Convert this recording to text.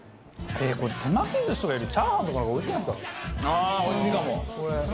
これ手巻き寿司とかよりチャーハンとかの方がおいしいんじゃないですか？